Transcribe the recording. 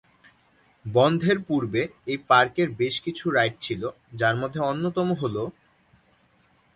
বন্ধের পূর্বে এই পার্কের বেশ কিছু রাইড ছিল, যার মধ্যে অন্যতম হলঃ